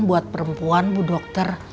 buat perempuan bu dokter